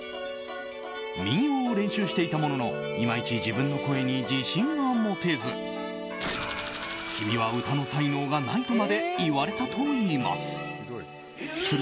民謡を練習していたもののいまいち自分の声に自信が持てず君は歌の才能がないとまで言われたといいます。